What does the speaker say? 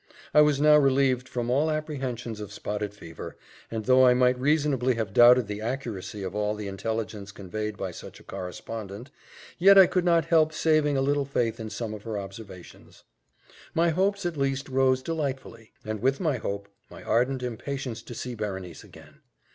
I was now relieved from all apprehensions of spotted fever; and though I might reasonably have doubted the accuracy of all the intelligence conveyed by such a correspondent, yet I could not help having a little faith in some of her observations. My hopes, at least, rose delightfully; and with my hope, my ardent impatience to see Berenice again.